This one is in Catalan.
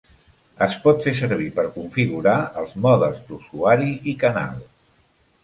Es pot fer servir per configurar els modes d'usuari i canal.